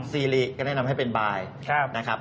ซีริก็แนะนำให้เป็นบายนะครับ